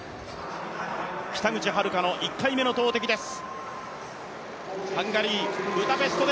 北口榛花の１回目の投てきです。